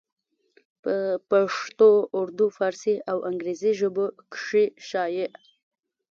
پۀ پښتو اردو، فارسي او انګريزي ژبو کښې شايع